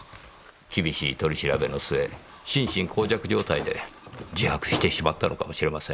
厳しい取り調べの末心神耗弱状態で自白してしまったのかもしれません。